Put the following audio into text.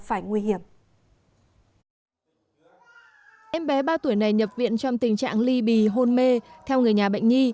nguy hiểm em bé ba tuổi này nhập viện trong tình trạng ly bì hôn mê theo người nhà bệnh nhi